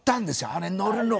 あれ乗るのが。